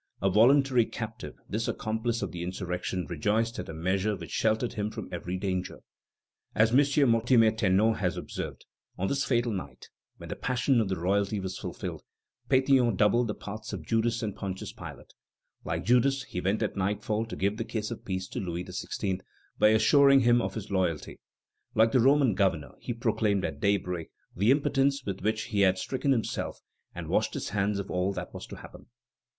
A voluntary captive, this accomplice of the insurrection rejoiced at a measure which sheltered him from every danger. As M. Mortimer Ternaux has observed: "On this fatal night, when the passion of the royalty was fulfilled, Pétion doubled the parts of Judas and Pontius Pilate. Like Judas, he went at nightfall to give the kiss of peace to Louis XVI. by assuring him of his loyalty; like the Roman governor, he proclaimed at daybreak the impotence with which he had stricken himself, and washed his hands of all that was to happen."